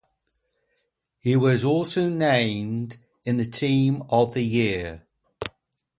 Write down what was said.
He was also named in the Team of the Year.